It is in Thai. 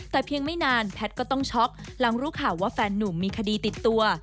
แต่เพียงไม่นานแพทย์ก็ต้องช็อกหลังรู้ข่าวว่าแฟนนุ่มมีคดีติดตัว